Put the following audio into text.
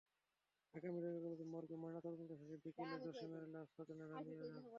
Dhaka medical কলেজের মর্গে ময়নাতদন্ত শেষে বিকেলে জসিমের লাশ স্বজনেরা নিয়ে যান।